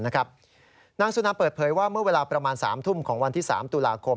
นางสุนาเปิดเผยว่าเมื่อเวลาประมาณ๓ทุ่มของวันที่๓ตุลาคม